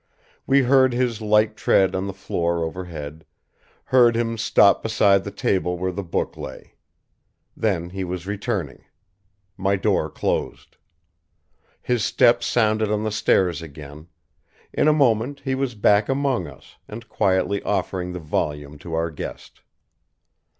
We heard his light tread on the floor overhead, heard him stop beside the table where the book lay. Then, he was returning. My door closed. His step sounded on the stairs again; in a moment he was back among us, and quietly offering the volume to our guest.